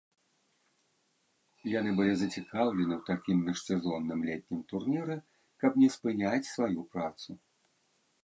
Яны былі зацікаўлены ў такім міжсезонным летнім турніры, каб не спыняць сваю працу.